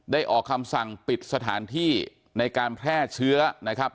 ออกคำสั่งปิดสถานที่ในการแพร่เชื้อนะครับ